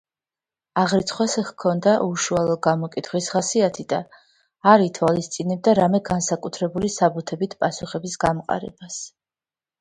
აღრიცხვას ჰქონდა უშუალო გამოკითხვის ხასიათი და არ ითვალისწინებდა რამე განსაკუთრებული საბუთებით პასუხების გამყარებას.